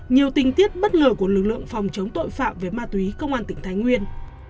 nhiều tình tiết bất ngờ của lực lượng phòng chống tội phạm về ma túy công an tỉnh thái nguyên